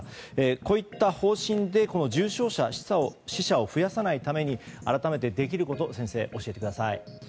こういった方針で重症者、死者を増やさないために改めてできること先生、教えてください。